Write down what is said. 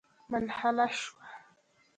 منحله شوه.